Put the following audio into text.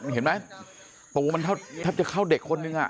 เห็นไหมประโยชน์มันเท่าเท่าจะเข้าเด็กคนหนึ่งอ่ะ